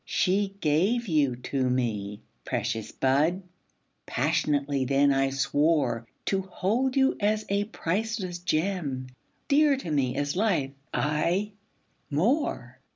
She gave you to me. Precious bud! Passionately then I swore To hold you as a priceless gem, Dear to me as life aye more!